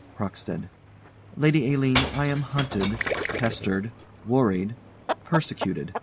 CROCKSTEAD. Lady Aline, I am hunted, pestered, worried, persecuted.